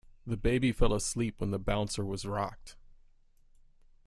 The baby fell asleep when the bouncer was rocked.